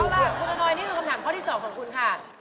เอาล่ะคุณละน้อยนี่คือคำถามข้อที่๒ของคุณค่ะ